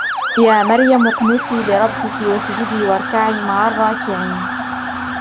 يا مريم اقنتي لربك واسجدي واركعي مع الراكعين